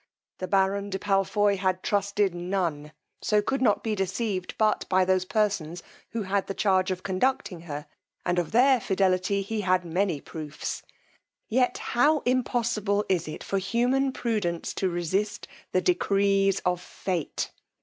The baron de Palfoy had trusted none, so could not be deceived but by those persons who had the charge of conducting her, and of their fidelity he had many proofs. Yet how impossible is it for human prudence to resist the decrees of fate.